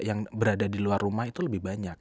yang berada di luar rumah itu lebih banyak